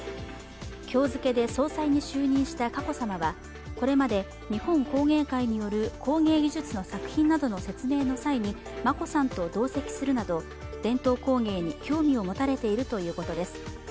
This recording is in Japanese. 今日付で総裁に就任した佳子さまはこれまで日本工芸会による工芸技術の作品などの説明の際に眞子さんと同席するなど伝統工芸に興味を持たれているということです。